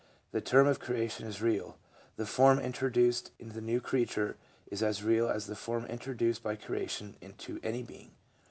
The term of creation is real: the form introduced in the new creature is as real as the form introduced by creation into any being.